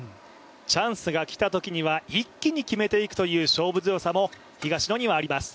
チャンスがきたときには一気に決めていくという勝負強さも東野にはあります